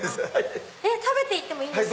食べていってもいいんですか？